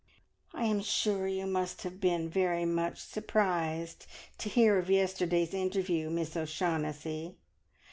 "I am sure you must have been very much surprised to hear of yesterday's interview, Miss O'Shaughnessy!